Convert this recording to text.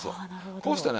こうしてね。